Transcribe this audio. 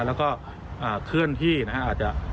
แล้วก็เคลื่อนที่นะฮะ